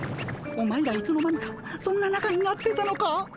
お前らいつの間にかそんななかになってたのか。